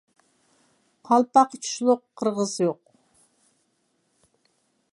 قالپاققا تۇشلۇق قىرغىز يوق.